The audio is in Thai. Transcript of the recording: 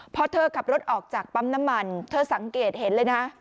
พอเธอขับรถออกจากปั๊มน้ำมันเธอสังเกตเห็นเลยนะ